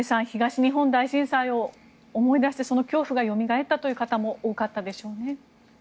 東日本大震災を思い出してその恐怖がよみがえったという方も多かったでしょうね。